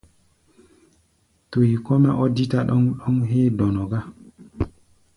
Tui kɔ́-mɛ́ ɔ́ dítá ɗɔ́ŋ-ɗɔ́ŋ héé dɔnɔ gá.